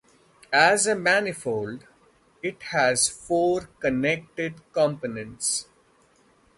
As a manifold, it has four connected components.